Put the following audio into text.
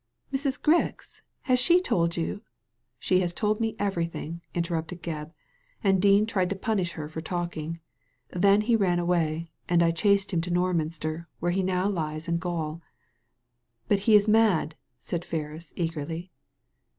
Mrs. Grix I Has she told you "" She has told me everything," interrupted Gebb ; "and Dean tried to punish her for talking. Then he ran away, and I chased him into Norminster, where he now lies in gaol." " But he is mad !" said Ferris, eagerly.